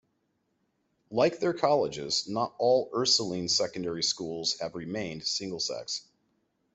Like their colleges, not all Ursuline secondary schools have remained single-sex.